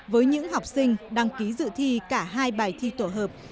với những học sinh đăng ký dự thi cả hai bài thi tổ hợp